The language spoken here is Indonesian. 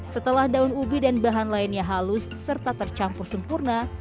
setelah daun ubi dan bahan lainnya halus serta tercampur sempurna